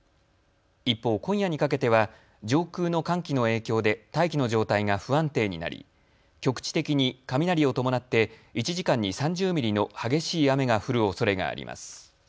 一方、今夜にかけては上空の寒気の影響で大気の状態が不安定になり局地的に雷を伴って１時間に３０ミリの激しい雨が降るおそれがあります。